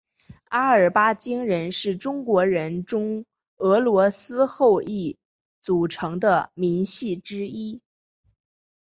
阿尔巴津人是中国人中俄罗斯后裔组成的民系之一。